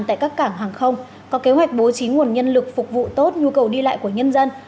tại các cảng hàng không có kế hoạch bố trí nguồn nhân lực phục vụ tốt nhu cầu đi lại của nhân dân